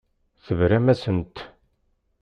Tebram-asent.